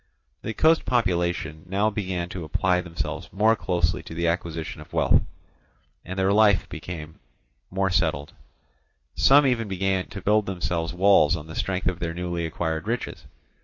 The coast population now began to apply themselves more closely to the acquisition of wealth, and their life became more settled; some even began to build themselves walls on the strength of their newly acquired riches.